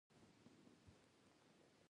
زه له مرستي څخه شرم نه لرم.